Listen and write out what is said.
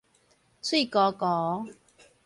碎糊糊